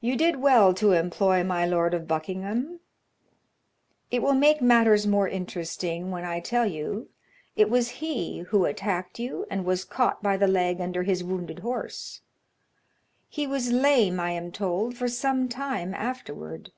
"You did well to employ my Lord of Buckingham. It will make matters more interesting when I tell you it was he who attacked you and was caught by the leg under his wounded horse; he was lame, I am told, for some time afterward.